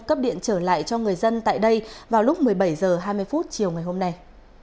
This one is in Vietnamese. cấp điện trở lại cho người dân tại đây vào lúc một mươi bảy h hai mươi chiều ngày hôm nay